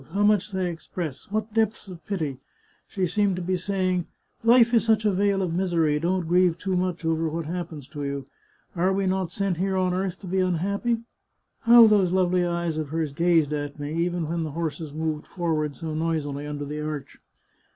" How much they express ! what depths of pity ! She seemed to be saying :* Life is such a vale of misery ; don't grieve too much over what happens to you. Are we not sent here 280 The Chartreuse of Parma on earth to be unhappy ?' How those lovely eyes of hers gazed at me, even when the horses moved forward so noisily under the arch